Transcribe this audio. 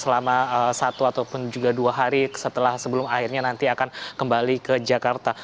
selama satu ataupun juga dua hari setelah sebelum akhirnya nanti akan kembali ke jakarta